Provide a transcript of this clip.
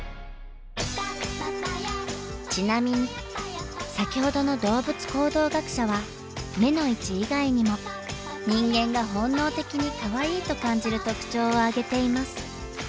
ちなみに先ほどの動物行動学者は目の位置以外にも人間が本能的にかわいいと感じる特徴を挙げています。